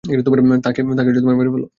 তাকে মেরে ফেল।